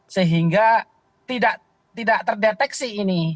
sehingga tidak terdeteksi ini